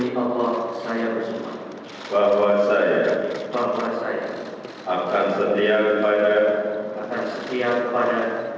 bahwa saya akan setia kepada